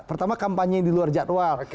pertama kampanye yang di luar jadwal